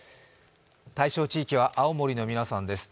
対象地域は青森の皆さんです。